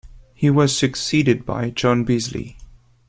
He was succeeded by John Beazley.